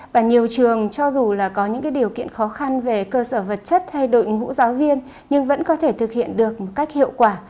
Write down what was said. và nhiều trường cho dù là có những điều kiện khó khăn về cơ sở vật chất hay đội ngũ giáo viên nhưng vẫn có thể thực hiện được một cách hiệu quả